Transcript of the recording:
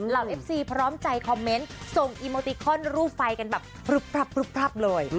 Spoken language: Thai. เอฟซีพร้อมใจคอมเมนต์ส่งอีโมติคอนรูปไฟกันแบบพลึบพรับเลย